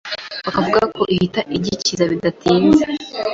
bakavuga ko ihita igikiza bidatinze